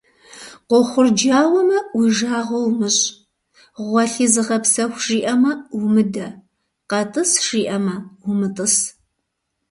Къохъурджауэмэ, уи жагъуэ умыщӏ, гъуэлъи зыгъэпсэху жиӏэмэ – умыдэ, къэтӏыс жиӏэмэ – умытӏыс.